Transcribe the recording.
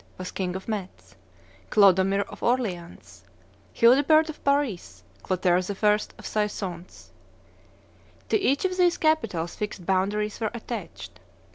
was king of Metz; Clodomir, of Orleans; Childebert, of Paris; Clotaire I., of Soissons. To each of these capitals fixed boundaries were attached.